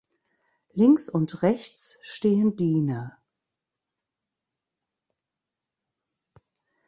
Links und rechts stehen Diener.